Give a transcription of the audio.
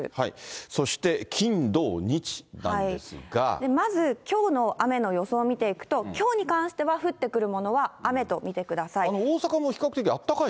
そして、まず、きょうの雨の予想を見ていくと、きょうに関しては降ってくるものは雨と見てください。